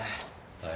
はい。